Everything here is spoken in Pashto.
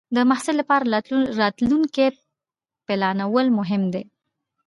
د محصل لپاره راتلونکې پلانول مهم دی.